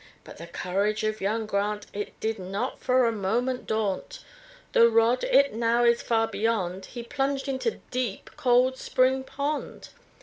But the courage of young Grant, It did not for a moment daunt, Though rod it now is far beyond, He plunged into deep, cold spring pond.